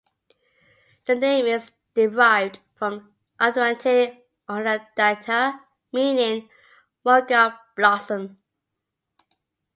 The name is derived from Arrernte utnadata, meaning "mulga blossom".